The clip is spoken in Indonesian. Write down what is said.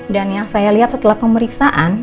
dan yang saya lihat setelah pemeriksaan